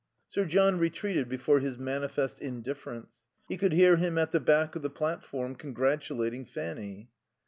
Sir John retreated before his manifest indifference. He could hear him at the back of the platform, congratulating Fanny.